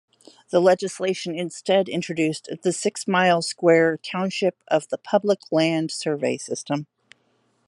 The legislation instead introduced the six-mile square township of the Public Land Survey System.